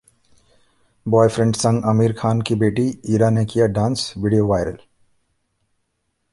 boyfriend संग आमिर खान की बेटी इरा ने किया डांस, वीडियो वायरल